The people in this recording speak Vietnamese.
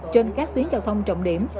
trên các tuyến giao thông trọng điểm